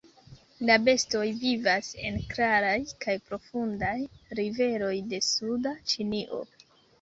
La bestoj vivas en klaraj kaj profundaj riveroj de suda Ĉinio.